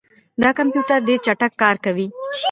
دا کمپیوټر ډېر چټک کار کوي.